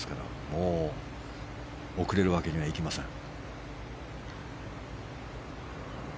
もう遅れるわけにはいきません。